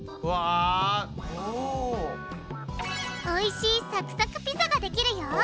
おいしいサクサクピザができるよ！